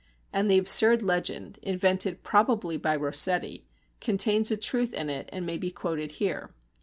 And the absurd legend, invented probably by Rossetti, contains a truth in it and may be quoted here.